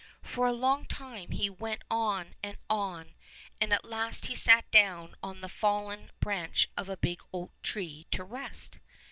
For a long time he went on and on, and at last he sat down on the fallen branch of a big oak tree to rest.